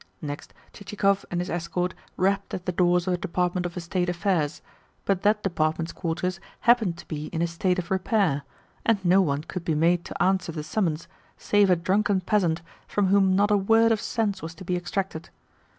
Next, Chichikov and his escort rapped at the doors of the Department of Estate Affairs; but that Department's quarters happened to be in a state of repair, and no one could be made to answer the summons save a drunken peasant from whom not a word of sense was to be extracted.